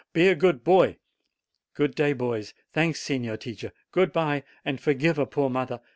Be a good boy. Good day, boys. Thanks, Signor Teacher; good bye, and forgive a poor mother."